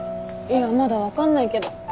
いやまだ分かんないけど。